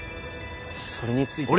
それについては。